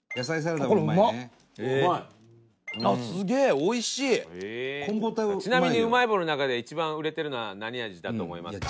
トシ：ちなみに、うまい棒の中で一番売れてるのは何味だと思いますか？